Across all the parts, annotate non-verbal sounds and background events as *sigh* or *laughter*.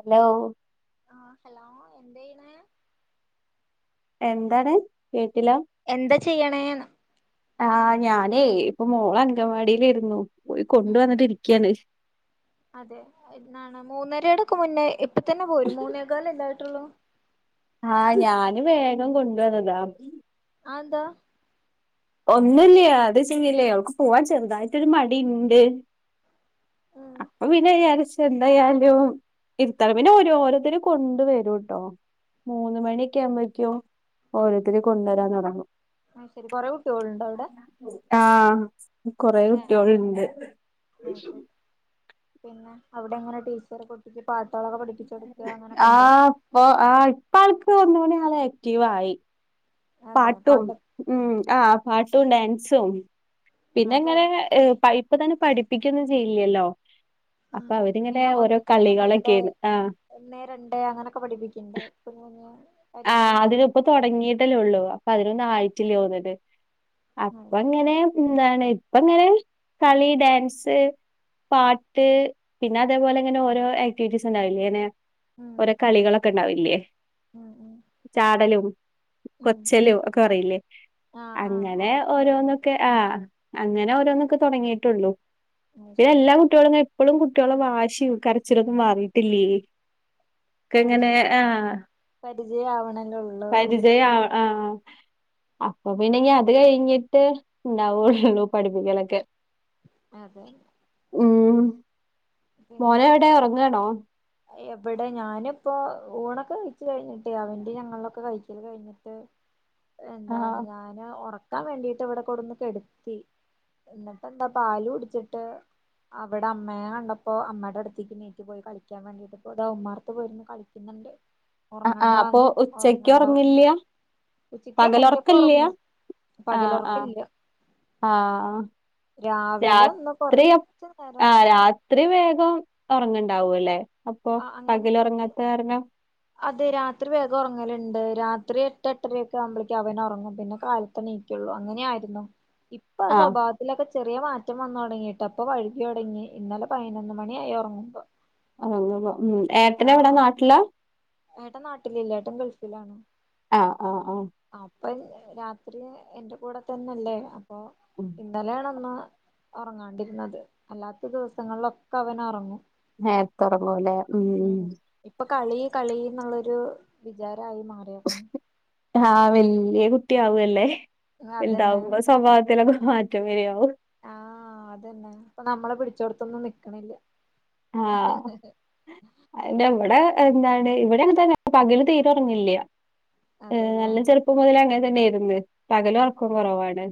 Hello ആഹ് hello എന്തായ്യ്ണേ എന്താണ് കേട്ടില എന്താ ചെയ്യ്ണേന്ന് ആഹ് ഞാനേ ഇപ്പൊ മോള് അങ്കവാടിലേയിരുന്നു പോയി കൊണ്ട് ഉം വന്ന്ട്ട് ഇരിക്ക്യാണ് അതെ എന്നാണ് മൂന്നരേടൊക്കെ മുന്നേ ഇപ്പ തന്നെ പോരും മൂന്നേകാലല്ലെ ആയിട്ടൊള്ളൂ ആഹ് ഞാന് വേഗം കൊണ്ടുവന്നതാ അതെന്താ ഒന്നുല്ലാ അത് ശരില്ലേ അവൾക്ക് പോവാൻ ചെറുതായിട്ടൊരു മടി ഇണ്ട് ഉം അപ്പ പിന്നെ വിചാരിച്ച് എന്തായാലും ഇരുത്തല പിന്നെ ഓരോരോത്തരും കൊണ്ട വരുംട്ടോ മൂന്ന് മണിയക്കെ ആകുമ്പോഴക്കോ ഓരോരുത്തർ കൊണ്ടുവരാൻ തുടങ്ങും മ് ശരി കുറെ കുട്ടികളുണ്ടോ അവിടെ ആഹ് കൊറെ ഏഹ് കുട്ടികളുണ്ട് അത് ശരി പിന്നെ അവിടെ എങ്ങനെ ടീച്ചർ കുട്ടിക്ക് പാട്ടുകളൊക്കെ പഠിപ്പിച്ച് കൊടുക്കുക അങ്ങനെക്കെ ഉണ്ടോ ഓഹ് ആഹ് ഇപ്പം ആൾക്ക് ഒന്നു കൂടെ ആള് ആക്റ്റീവ് ആയി അതെ പാട്ടും പാട്ട് മ്മ് ആഹ് പാട്ടും ഡാൻസും പിന്നെ അതെ എങ്ങനെ പൈപ്പ് തന്നെ പഠിപ്പിക്കൊന്നും ചെയ്യില്ലല്ലോ ഉം അപ്പൊ അവരിങ്ങനെ ഓരോ കളികളൊക്കെയന്ന് ആഹ് ഒന്നേ രണ്ട് അങ്ങനൊക്കെ പഠിപ്പിക്കണ്ട ഇപ്പം ആഹ് അതിന് ഇപ്പൊ തുടങ്ങിയിട്ടല്ലേ ഉള്ളൂ അപ്പൊ അതിനൊന്നും ആയിട്ടില്ല തോന്ന്ണ്ട് അപ്പ അത് ശരി അങ്ങനെ എന്താണ് ഇപ്പം ഇങ്ങനെ കളി ഡാൻസ് പാട്ട് പിന്നെ അതേപോലെ ഇങ്ങനെ ഓരോ ആക്ടിവിറ്റീസ് ഉണ്ടാവില്ലേ എങ്ങനെ ഓരോ കളികളൊക്കെ ഉണ്ടാവില്ലേ മ്മ് മ്മ് ചാടലും കൊച്ചലും ഒക്കെ പറയില്ലേ ആഹ് ആഹ് അങ്ങനെ അതൊക്കെ ഓരോന്നൊക്കെ ആഹ് ഉം അങ്ങനെ ഓരോന്നൊക്കെ തുടങ്ങിട്ടുള്ളൂ അത് പിന്നെ ശരി എല്ലാ കുട്ടികളും ഇങ്ങനെ എപ്പോഴും കുട്ടികളെ വാശി കരച്ചിലൊന്നും മാറിട്ടില്ലേ അയ് ശരി പരിചയം ആവണല്ലെ ഉള്ളൂ വിട്ടിട്ട് പരിജയം ആ ആഹ് അപ്പൊ പിന്നെ ഇനി അത് കഴിഞ്ഞിട്ട് ഉണ്ടാവുള്ളൂ പഠിപ്പിക്കലൊക്കെ അതെ മ്മ് പിന്നെ മോന് എവിടെ ഉറങ്ങാണോ എവിടെ ഞാനിപ്പോ ഊണൊക്കെ കഴിച്ചു കഴിഞ്ഞിട്ട് അവന്റെ ഞങ്ങളിലൊക്കെ കഴിക്കല് കഴിഞ്ഞിട്ട് എന്നട്ട് ആഹ് എന്താണ് ഞാന് ഉറക്കാൻ വേണ്ടീട്ട് ഇവിടെ കൊണ്ടൊന്ന് കെടുത്തി എന്നിട്ട് എന്താ പാല് കുടിച്ചിട്ട് അവിടെ അമ്മയെ കണ്ടപ്പോ അമ്മയുടെ അടുത്തേക്ക് ണീറ്റ് പോയി കളിക്ക കളിക്കാൻ വേണ്ടീയിട്ട് ഇപ്പോ ഇതാ ഉമ്മറത്ത് പോയിരുന്നു കളിക്കുന്നുണ്ട് ആഹ് ആഹ് അപ്പൊ ഉറങ്ങണ്ടാന്ന് ഉച്ചക്ക് ഉറങ്ങണ്ട ഉറങ്ങില്ല ഉച്ചയ്ക്ക് ഇടയ്ക്കൊക്കെ പകലുറക്കില്ല ഉറങ്ങും ആഹ് ആഹ് പകലുറക്കമില്ല ആഹ് രാവിലെ ഒന്ന് കൊറച്ച് നേരമൊന്ന് ഉറങ്ങി ഇത്രയും വേഗം ഉറങ്ങണ്ടാവും അല്ലേ അപ്പൊ ആഹ് അങ്ങനെ പകൽ ഉറങ്ങാത്ത കാരണം അതെ രാത്രി വേഗം ഉറങ്ങലുണ്ട് രാത്രി എട്ട് എട്ടര ഒക്കെ ആവുമ്പഴേക്ക് അവന് ഉറങ്ങും പിന്നെ കാല ത്തെണീക്കുള്ളൂ അങ്ങനെയാരുന്നു ഇപ്പൊ ആ ആഹ് സ്വഭാവ ഇതിലൊക്കെ ചെറിയ മാറ്റം വന്നു തുടങ്ങിയിട്ട് ഇപ്പൊ വൈകി തുടങ്ങി ഇന്നലെ പതിനൊന്ന് മണി ആയി ഉറങ്ങുമ്പോ അങ്ങനെ മ്മ് ഏട്ടന് എവിടാ ആഹ് നാട്ടിലാ ഏട്ടൻ നാട്ടിലില്ല ഏട്ടൻ ഗൾഫിലാണ് ആഹ് ആഹ് ആഹ് അപ്പൊ രാത്രി എന്റെ കൂടെ തന്നെല്ലേ അപ്പൊ മ്മ് ഇന്നലെയാണ് ഒന്ന് ഉറങ്ങാണ്ടിരുന്നത് അല്ലാത്ത ദിവസങ്ങളിലൊക്കെ അവൻ ഉറങ്ങും നേരത്തെ ഉറങ്ങൂലേ മ്മ് ഉം മ്മ് ഇപ്പൊ കളി കളി എന്നുള്ളൊരു വിചാരമായി മാറിയേക്കുന്നു ആഹ് വലിയ കുട്ടിയാവുവല്ലെ അതന്നെ വലുതാവുമ്പോ സ്വഭാവത്തിലൊക്കെ മാറ്റം വരിയാവും ആഹ് അതന്നെ. ഇപ്പം നമ്മള് പിടിച്ചോട്ത്തൊന്നും നിക്ക്ണില്ല. ആഹ് അതിന്റെ ഇവിടെ എന്താണ് ഇവിടെ അങ്ങനെ തന്നെ പകല് തീരെ ഒറങ്ങല്ലില്ല. അതെല്ലേ നല്ല ചെറു ഇപ്പം മുതലെ അങ്ങനെ തന്നെയാരുന്നു. പകല് ആഹ് ഒറക്കം കൊറവാണ്.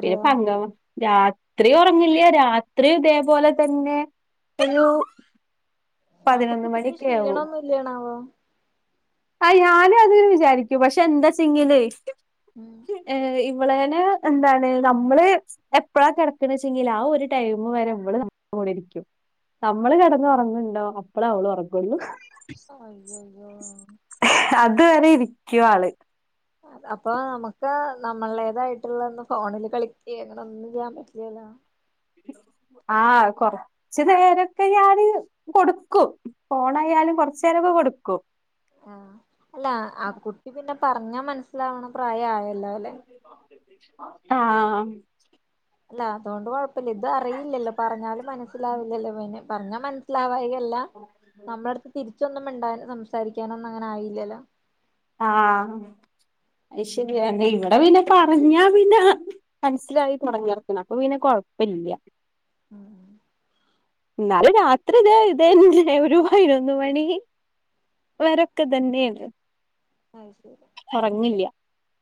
പിന്നെ പങ്കം രാത്രി ഒറങ്ങില്ല. രാത്രി ഇതേപോലെ തന്നെ. *unintelligible* അപ്പൊ പതിനൊന്ന് കുട്ടിക്ക് മണിയൊക്കെ ആവും ക്ഷീണം ഒന്നും ഇല്ലെണാവം. ആയ് ഞാനും അത് വിചാരിക്കും. പക്ഷെ എന്താച്ചെങ്ങില്. ഉം *inaudible* ഏ ഇവളേന് എന്താണ് നമ്മള്. എപ്ലാ കെടക്ക്ണ് വെച്ചെങ്കിൽ ആ ഒരു ടൈം വരെ ഇവള് ഇവെടെ ഇരിക്ക്യും. നമ്മള് കെടന്ന് ഒറങ്ങുണ്ടോ. അപ്പള അവള് ഒറങ്ങൊള്ളു. ആയ്യൊയ്യോ അത് വരെ ഇരിക്ക്യാള്. അപ്പൊ നമുക്ക് നമ്മളേതായിട്ടുള്ള ഒന്ന് ഫോണിൽ കളിക്ക അങ്ങനെ ഒന്നും ചെയ്യാൻ പറ്റില്ലല്ലോ. ആഹ് കൊറച്ച് നേരൊക്കെ ഞാന് കൊടുക്കും. ഫോണായാലും കൊറച്ച് നേരൊക്കെ കൊടുക്കും. ആഹ് അല്ല ആ കുട്ടി പിന്നെ പറഞ്ഞാ മനസ്സിലാവണം പ്രായ ആയല്ലോല്ലെ. ആഹ് അല്ല അതുകൊണ്ട് കൊഴപ്പല്ല. ഇത് അറിയില്ലല്ലോ പറഞ്ഞാലും മനസ്സിലാവില്ലല്ലോ ഇവന്. പറഞ്ഞ മനസ്സിലാവായികല്ല നമ്മളെടു തിരിച്ചൊന്നും മിണ്ടാൻ സംസാരിക്കാനൊ ന്നും അങ്ങനെ ആയില്ലല്ലോ. ആഹ് അത് ശെരിയ. ഇവിടെ പിന്നെ പറഞ്ഞാ പിന്നെ. മനസ്സിലായി തൊടങ്ങിറക്കണം അപ്പൊ പിന്നെ കൊഴപ്പല്ല. ഉം ഉം ഇന്നാലും രാത്രി ഇതെ ഇതെന്നെ ഒരു പതിനൊന്ന് മണി. വരൊക്കെ ഇതന്നേണ്. ആഹ് ശെരി. എറങ്ങില്ല.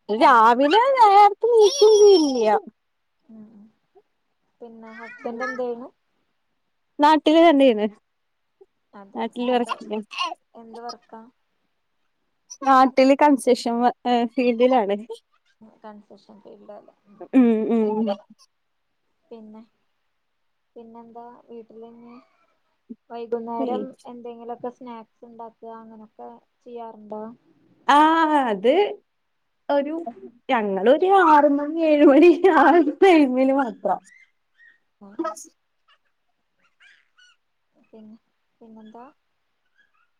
അത് രാവിലെ നേർത്തെ നീക്കുന്നില്ല. ഉം ഉം. പിന്നെ ഹസ്ബൻറ് എന്തെയ്ണു. നാട്ടില് തന്നേണ് അതെ എന്താ നാട്ടിലറക്ക എന്ത് വർക്ക. നാട്ടില് കൺസെക്ഷൻ ഫീൽഡിലാണ്. കൺസെക്ഷൻ ഫൽഡല്ലെ. ഉം ഉം പിന്നെ പിന്നെന്താ വീട്ടിലെന്നെ. വൈകുന്നേരം ബീച്ച് എന്തെങ്കിലൊക്കെ സ്നാക്സ് ഇണ്ടാക്ക. അങ്ങനെയൊക്കെ ചെയ്യാറുണ്ടോ? ആ അത് ഒരു ഞങ്ങള് ഒരു ആറ് മണി, ഏഴ് മണി, ആ ഒരു ടൈമില് മാത്രം. ആഹ് പിന്നെ പിന്നെന്താ.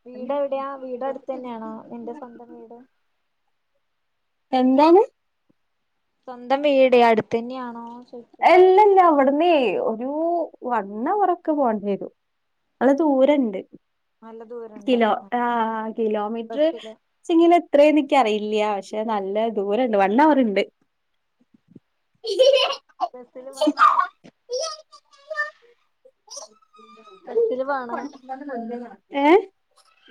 വീട് എവിടെയാ വീട് അടുത്തെന്നേണോ നിന്റെ സ്വന്തം വീട്. എന്താണ്. സ്വന്തം വീടെ. അടുത്തെന്നേണോ ചോയ്ക്ക? എല്ലല്ല. അവിട്ന്നെ ഒരു വൺ അവ റൊക്കെ പോകേണ്ടി വരും. അടെ ദൂരണ്ട് നല്ല ദൂരണ്ടോ കിലോ ആ കിലോ മീറ്ററ് ബസ്സില് ച്ചെങ്ങനെ എത്രെ എന്ന് ഇക്ക്യറിയില്ല്യ പക്ഷെ നല്ല ദൂരണ്ട് വൺ അവറ്ണ്ട്. ബസ്സില് *unintelligible* ബസില് വാണ ഏഹ്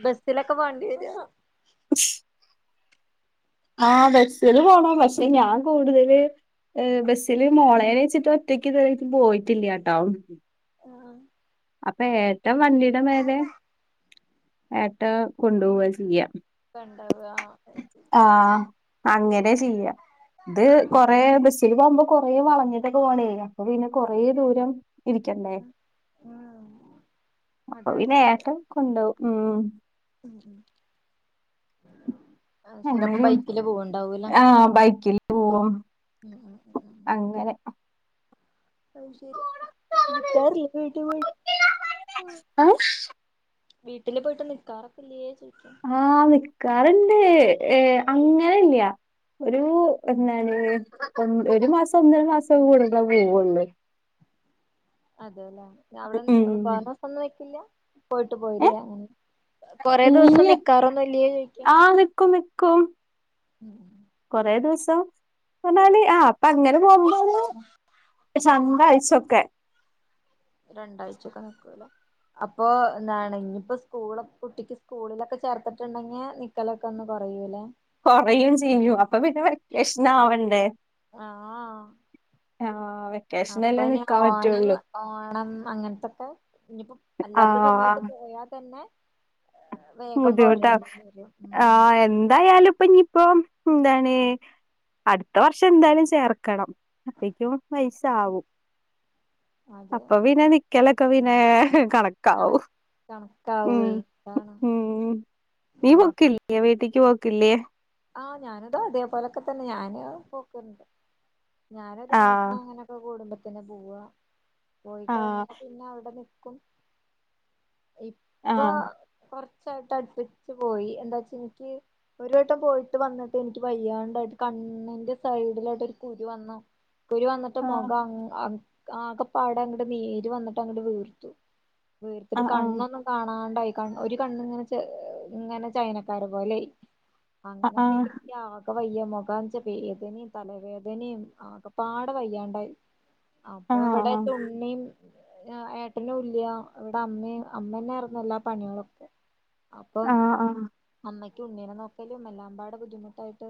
ബസ്സിലൊക്കെ പോണ്ടി എരൊ *inaudible* ആഹ് ബസ്സില് പോണം പക്ഷെ ഞാൻ കൂടുതല്. ഏഹ് ബസ്സില് മോളേനെ വെച്ചിട്ട് ഒറ്റക്ക് ഇതുവരെ ആയിട്ട് പോയിട്ടില്ലാട്ടോ. ആ അപ്പൊ ഏട്ടം വണ്ടിടെ മേലേ ഏട്ട കൊണ്ടു പോവ ചെയ്യാ കണ്ടവാ ആഹ് അങ്ങനെ ചെയ്യാ ഇത് കൊറേ ബസ് സ്സില് പോമ്പം കൊറേ വളഞ്ഞിട്ട് ഒക്കെ പോണേ അപ്പം പിന്നെ കൊറേ ദൂരം ഇരിക്കണ്ടേ ഉം അപ്പോ അതെ അതെ പിന്നെ അതെ ഏട്ടൻ കൊണ്ടോവും ഉം ഉം ഉം അത് ശരി അപ്പം അങ്ങനെയും ബൈക്കില് പോവണ്ടാവൂല്ലേ ആഹ് ബൈക്കിൽ പോവും ഉം ഉം ഉം അങ്ങനെ അത് ശരി നിക്കാറില്ലേ നിന്റെ വീട്ടിൽ പോയിട്ട് ന്താണ് *inaudible* വീട്ടില് പോയിട്ട് നിക്കാറൊക്കെ ഇല്ലേ ചോദിക്ക ആഹ് നിക്കാറുണ്ട് ഏഹ് അങ്ങനെ ഇല്ല്യ ഒരു എന്താണ് ഒൻ ഒരു മാസം ഒന്നര മാസം കൂടുമ്പോ പോവുള്ളൂ *inaudible* അതാവുല്ലേ അവിടെ തോനെ ഉം ദിവസം ഒന്നും നിക്കില്ല പോയിട്ട് പോര അങ്ങനെ കൊറേ ദിവസം ഇല്ല്യ നിക്കാറൊന്നും ഇല്ല്യേ ചോദിക്ക ആഹ് നിക്കും നിക്കും കൊറേ ദിവസം പറഞ്ഞാല് ആ അപ്പൊ അങ്ങനെ പോകുമ്പോ ഒര് ഒരു സംഭാഴ്സൊക്കെ ഒര് രണ്ടാഴ്ച്ചൊക്കെ നിക്കുല്ലേ അപ്പോ എന്താണ് ഇനിയിപ്പോ സ്കൂളൊ കുട്ടിക്ക് സ്കൂളിലൊക്കെ ചേർത്തിട്ടുണ്ടെങ്കിൽ നി- ക്കലൊക്കെ ഒന്ന് കുറയൂലേ കൊറയും ചെയ്യും അപ്പൊ പിന്നെ വെക്കേഷൻ ആവണ്ടേ ആഹ് ആഹ് വെ അപ്പൊ ഇനി ഓണം ഓണം അങ്ങൻത്തൊക്കെ ഇനിയിപ്പം അല്ലാത്ത സമയത്ത് ആഹ് പേയാ തന്നെ വേഗം ബുദ്ധിമുട്ടാവും പോരേണ്ടി വരും ആ ഉം എന്തായാലും ഇപ്പൊ ഇനി ഇപ്പം എന്താണ് അടുത്ത വർഷം എന്തായാലും ചേർക്കണം അപ്പക്കും വയസ് സാവും അത് അപ്പൊ പിന്നെ നിക്കലൊക്കെ പിന്നേ കണ കണ കണക്കാവോയ് ഉം നീ പോക്കില്ലേ വീട്ടിക്ക് പോക്കില്ലേ ആഹ് ഞാനിത അതേപോലൊക്കെ തന്നെ ഞാന് പോക്ക്ണ്ട് ഞാനൊരു ആഹ് മാസം അങ്ങനെ ഇപ്പ കൂടുമ്പത്തന്നെ പോവാ പോയി ആഹ് കഴിഞ്ഞാ പിന്നെ അവിടെ നിക്കും ഇപ്പൊ ആഹ് കൊറച്ചായിട്ട് അടുപ്പിച്ച് പോയി എന്താ വെച്ച ഇനിക്ക് ഒരു- വട്ടം പോയിട്ട് വന്നിട്ട് എനിക്ക് വയ്യാണ്ടായിട്ട് കണ്ണിന്റെ സൈഡിലായിട്ട് ഒരു കുരു വന്നു കുരു വന്നിട്ട് ആഹ് മുഖം ആ ആകെപ്പാടെ അങ്ങട് നീര് വന്നിട്ട് അങ്ങട് വീർത്തു വീർത്തിട്ട് ആഹ് ആഹ് കണ്ണൊന്നും കാണാണ്ടായി കണ്ണ് ഒരു കണ്ണ് ഇങ്ങനെ ഇങ്ങനെ ചൈനക്കാരെ പോലെ ആയി ആഹ് അങ്ങനൊക്കായിട്ട് ഇക്ക് ആകെ ഒക്കെ വയ്യ മുഖാണ്ച്ചാ വേദനയും തലവേദനയും ആകെ പാടെ വയ്യാണ്ടായി അപ്പൊ ആഹ് ആഹ് ഇവിടെക്കെ ഉണ്ണിം ഏട്ടനും ഇല്ല്യ ഇവിടെ അമ്മേം അമ്മന്നെ ആയിരുന്നു എല്ലാ പണികളൊക്കെ അപ്പം ആഹ് ആഹ് അമ്മയ്ക്ക് ഉണ്ണിനെ നോക്കലും എല്ലാമ്പാടെ ബുദ്ധിമുട്ടായിട്ട്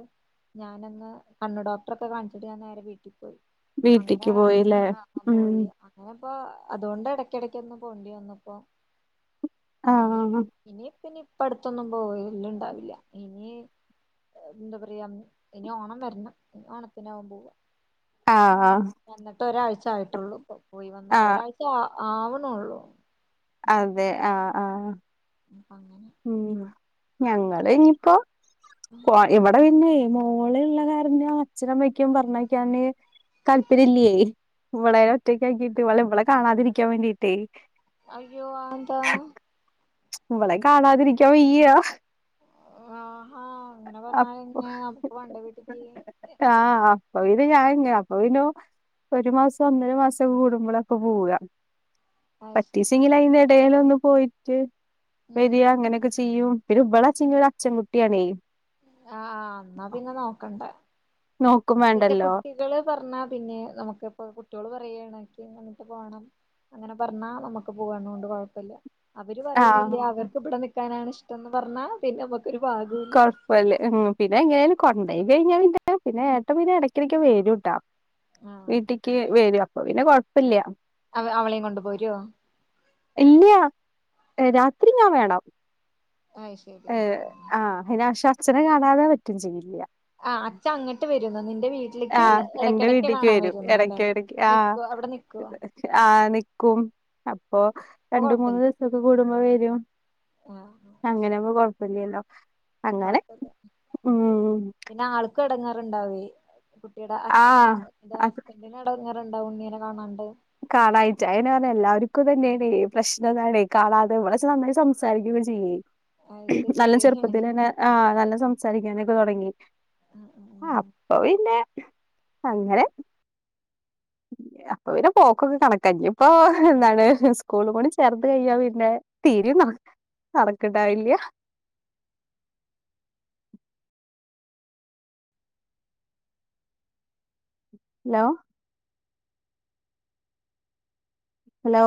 ഞാനന്ന് കണ്ണ് ഡോക്ടറെ ഒക്കെ കാണിച്ചിട്ട് ഞാൻ നേരെ വീട്ടി പോയി വീട്ടിക്ക് അങ്ങനെ പോയിലേ? ആഹ് ഉം പോയി അങ്ങനെപ്പോ അതുകൊണ്ട് എടക്കിടക്ക് ഒന്ന് പോവണ്ടി വന്ന് ഇപ്പോ അങ്ങനെ ആഹ് ഇനിപ്പ ഇനിയിപ്പ അടുത്തൊന്നും പോവല്ണ്ടാവില്ല ഇനി എന്താ പറയാ ഇനി ഓണം വരണം ഇനി ഓണത്തിനാവും പോവാ ആഹ് വന്നിട്ട് ഒരാഴ്ച ആയിട്ടൊള്ളു ഇപ്പോ പോയി വന്നിട്ട് ആഹ് ഒരാഴ്ച ആവ്ണൊള്ളൂ അതെ ആഹ് ആഹ് അപ്പങ്ങനെ ഉം ഞങ്ങള് ഇഞ്ഞ്പ്പോ പോയി ഇവിടെ പിന്നെ ഉ *inaudible* ഇള്ള കാര്ണം അച്ഛനമ്മയ്ക്കും പറഞ്ഞയക്കാന് തല്പര്യല്ല്യേ ഇവളെ ഒറ്റക്കാക്കിയിട്ട് അല്ല ഇവളെ കാണാതിരിക്കാൻ വേണ്ടീട്ടേ അയ്യോ അഹെന്താ? ഇവളെ കാണാതിരിക്കാൻ വയ്യ ആഹാ അങ്ങനെ പറഞ്ഞാല് അപ്പൊ പിന്നെ നമുക്ക് പണ്ട വീട്ടിക്ക് ആഹ് അപ്പൊ പിന്നെ ഞാൻ അപ്പൊ പിന്നൊ ഒരു മാസം ഒന്നര മാസൊക്കെ കൂടുമ്പളൊക്കെ പോവ അത് ശരി പറ്റീച്ചെങ്കില് അയിന്റെ എടേലൊന്ന് പോയിറ്റ് ഉം വരാ അങ്ങനെക്കെ ചെയ്യും പിന്നെ ഇബളാച്ചെങ്കി ഒരു അച്ചൻ കുട്ടിയാണെ ആഹ് ഇന്നാ പിന്നെ നോക്കണ്ട നോക്കും എന്താച്ചാ വേണ്ടല്ലോ കുട്ടികള് പറഞ്ഞാ പിന്നെ നമുക്ക്പ്പൊ കുട്ടികള് പറയാണ് ഇനിക്ക് അങ്ങട്ട് പോണം അങ്ങനെ പറഞ്ഞാ നമുക്ക് പോണോണ്ട് കൊഴപ്പല്ല. അവര് ആഹ് പറയണില്ല്യ അവർക്ക് ഇബടെ നിക്കാനാണ് ഇഷ്ടംന്ന് പറഞ്ഞാൽ പിന്നെ അമ്മക്കൊരു പാഗൂല്ല ഉം പിന്നെ എങ്ങനേലും കൊണ്ടോയി കഴിഞ്ഞാ പിന്നെ പിന്നെ ഏട്ടൻ പിന്നെ എടക്കിടക്ക് വെരുട്ടോ ആഹ് വീട്ടിക്ക് വരും അപ്പൊ പിന്നെ കൊഴപ്പില്യ. അവ അവളെയും കൊണ്ട് പോരോ? ഇല്ല്യ രാത്രി ഞാൻ വേണം അയ് ശരി ഏഹ് ആഹ് ആഹ് പിന്നെ പക്ഷെ അച്ഛനെ കാണാതെ പറ്റും ചെയ്യില്ല. ആഹ് അച്ഛ അങ്ങട്ട് വരുംന്ന് നിന്റെ വീട്ട ട്ടിലേക്ക് ആഹ് എന്റെ എടക്കിടക്ക് വീട്ടിക്ക് കാണാൻ വരും വരുന്ന് എല്ലേ എടക്ക് എടക്ക് ആഹ് നിക്ക അവിടെ നിക്കോ? ആഹ് നിക്കും അപ്പൊ ആഹ് അപ്പൊ രണ്ടു കൊഴപ്പല്ല മൂന്നു ദിവസൊക്കെ കൂടുമ്പോ വരും. ആഹ് അങ്ങനാവുമ്പോ കൊഴപ്പല്ല്യല്ലോ? കൊയപ്പല്ല്യ പിന്നെ ആൾക്കും എടങ്ങേറ്ണ്ടാവേ കുട്ടിയുടെ അ ആഹ് ഹസ്ബൻഡിന് എടങ്ങേറുണ്ടാവും ഉണ്ണിനെ കാണാണ്ട്. കാണായിട്ട് അയനെ പറഞ്ഞെ എല്ലാവർക്കും ഇതന്നെയാണ് പ്രശ്നം ഇതാണെ കാണാതെ പക്ഷേ നമ്മളെ സം സംസാരിക്കൊക്കെ ചെയ്യുവേ അത് നല്ല ശരി ചെറുപ്പത്തിലന്നെ ആഹ് നല്ലം സംസാരിക്കാനൊക്കെ തൊടങ്ങി ആഹ് അപ്പൊ പിന്നെ അങ്ങനെ അപ്പൊ പിന്നെ പോക്കൊക്കെ കണക്ക ഇഞ്പ്പൊ എന്താണ് സ്കൂൾളും കൂടി ചേർത്ത് കഴിഞ്ഞാ പിന്നെ തീരിം നഹ് നടക്ക്ണ്ടാവില്ല്യ hello hello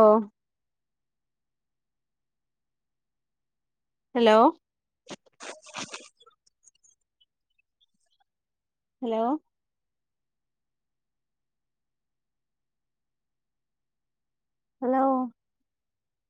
hello hello hello